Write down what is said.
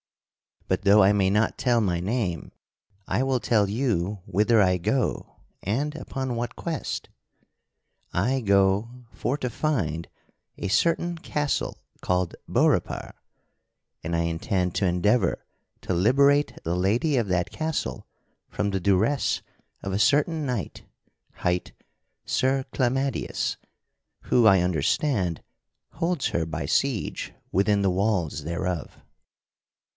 But though I may not tell my name I will tell you whither I go and upon what quest. I go for to find a certain castle called Beaurepaire, and I intend to endeavor to liberate the lady of that castle from the duress of a certain knight hight Sir Clamadius, who, I understand, holds her by siege within the walls thereof."